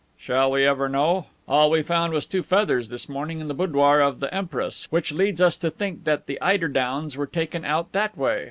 "Shall we ever know? All we found was two feathers, this morning, in the boudoir of the Empress, which leads us to think that the eider downs were taken out that way.